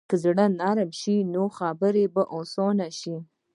که زړه نرمه شي، نو خبرې به اسانه شي.